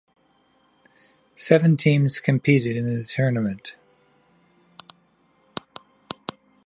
Seven teams competed in the tournament.